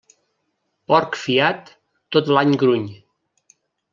Porc fiat tot l'any gruny.